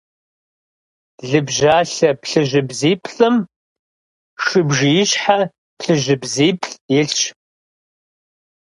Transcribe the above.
Лыбжьалъэ плъыжьыбзиплӏым шыбжиищхьэ плъыжьыбзиплӏ илъщ.